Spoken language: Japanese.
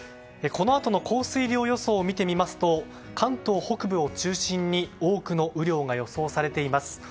このあとの降水量予想を見てみますと関東北部を中心に多くの雨量が予想されています。